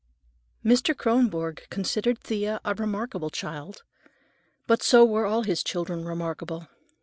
IX Mr. Kronborg considered Thea a remarkable child; but so were all his children remarkable.